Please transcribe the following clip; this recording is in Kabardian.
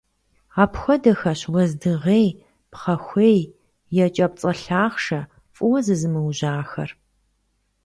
Апхуэдэхэщ уэздыгъей, пхъэхуей, екӀэпцӀэ лъахъшэ, фӀыуэ зызымыужьахэр.